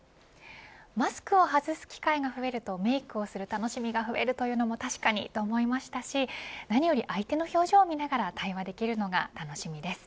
マスクを外す機会が増えるとメークをする楽しみが増えるというのも確かに、と思いましたし何より相手の表情を見ながら対話できるのが楽しみです。